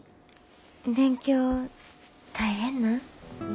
勉強大変なん？